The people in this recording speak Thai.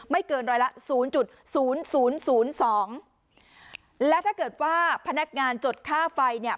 เกินร้อยละศูนย์จุดศูนย์ศูนย์ศูนย์สองและถ้าเกิดว่าพนักงานจดค่าไฟเนี่ย